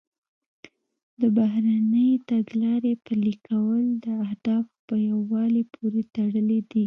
د بهرنۍ تګلارې پلي کول د اهدافو په یووالي پورې تړلي دي